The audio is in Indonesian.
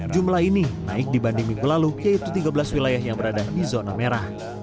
jumlah ini naik dibanding minggu lalu yaitu tiga belas wilayah yang berada di zona merah